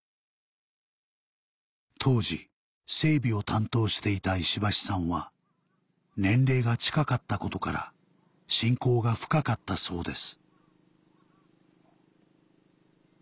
当時整備を担当していた石橋さんは年齢が近かったことから親交が深かったそうです